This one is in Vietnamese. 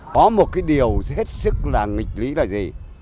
có một cái điều rất là nghịch lý là gì